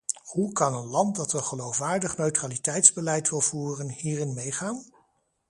Hoe kan een land dat een geloofwaardig neutraliteitsbeleid wil voeren, hierin meegaan?